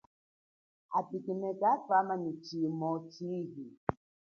A Pygmees kathwama nyi shimu chihi.